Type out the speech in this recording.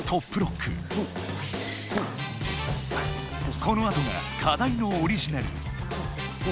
このあとが課題のオリジナル。